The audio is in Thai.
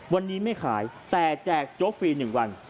วันนี้ไม่ขายแต่แจกโจ๊กฟรี๑วัน